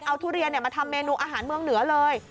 เอาทุเรียนมาทำเมนูอาหารเมืองเหนือเลย